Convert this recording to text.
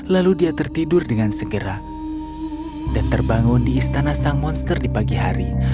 lalu dia tertidur dengan segera dan terbangun di istana sang monster di pagi hari